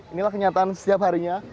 inilah kenyataan setiap harinya